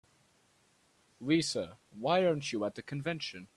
Lisa, why aren't you at the convention?